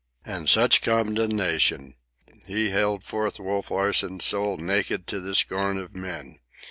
And such condemnation! He haled forth Wolf Larsen's soul naked to the scorn of men.